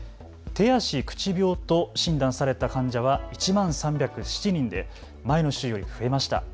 手足口病と診断された患者は１万３０７人で前の週より増えました。